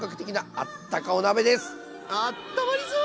あったまりそう！